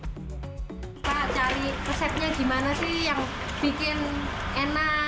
kita cari resepnya gimana sih yang bikin enak